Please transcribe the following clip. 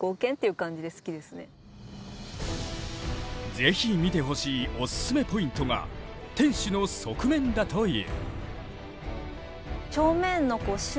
是非見てほしいオススメポイントが天守の側面だという。